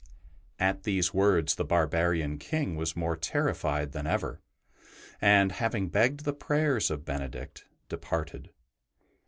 At these words the barbarian King 88 ST. BENEDICT' was more terrified than ever, and, having begged the prayers of Benedict, departed.